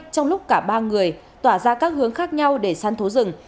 trong lúc cả ba người tỏa ra các hướng khác nhau để săn thố rừng